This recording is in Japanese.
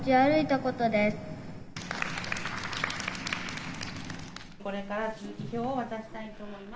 これから通知表を渡したいと思います。